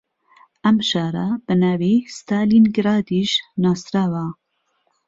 ئەم شارە بە ناوی ستالینگرادیش ناسراوە